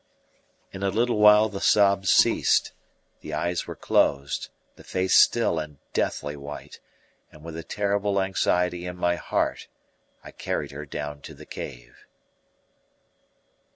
In a little while the sobs ceased, the eyes were closed, the face still and deathly white, and with a terrible anxiety in my heart I carried her down to the cave.